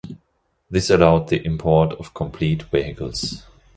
This allowed the import of complete vehicles.